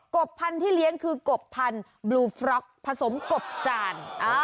บพันธุ์ที่เลี้ยงคือกบพันธุ์บลูฟร็อกผสมกบจาน